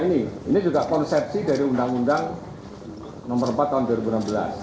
ini juga konsepsi dari undang undang nomor empat tahun dua ribu enam belas